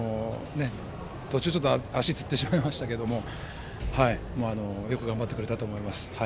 途中、足がつってしまいましたけどよく頑張ってくれたと思います。